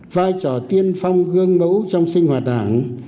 vai trò tiên phong gương mẫu trong sinh hoạt đảng